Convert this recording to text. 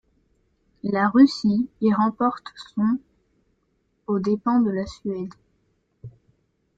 La Russie y remporte son aux dépens de la Suède.